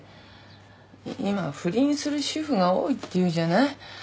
今不倫する主婦が多いっていうじゃない？